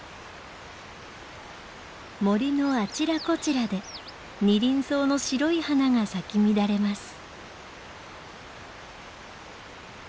森のあちらこちらでニリンソウの白い花が咲き乱れます。